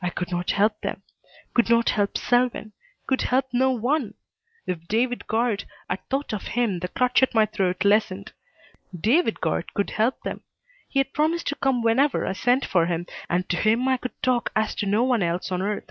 I could not help them. Could not help Selwyn. Could help no one! If David Guard at thought of him the clutch at my throat lessened. David Guard could help them. He had promised to come whenever I sent for him, and to him I could talk as to no one else on earth.